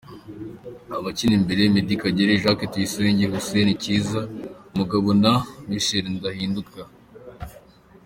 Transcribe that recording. Abakina imbere: Meddie Kagere, Jacques Tuyisenge, Hussein Cyiza Mugabo na Michel Ndahinduka.